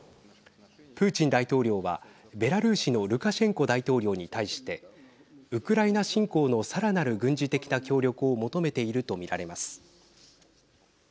プーチン大統領はベラルーシのルカシェンコ大統領に対してウクライナ侵攻のさらなる軍事的な協力を求めていると見られます。